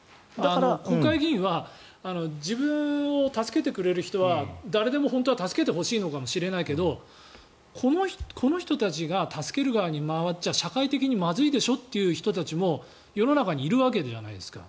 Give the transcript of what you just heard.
国会議員は自分を助けてくれる人は誰でも本当は助けてほしいのかもしれないけれどこの人たちが助ける側に回っちゃ社会的にまずいでしょという人たちも世の中にいるわけじゃないですか。